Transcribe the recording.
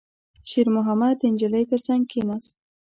شېرمحمد د نجلۍ تر څنګ کېناست.